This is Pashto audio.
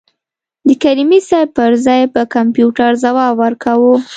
د کریمي صیب پر ځای به کمپیوټر ځواب ورکاوه.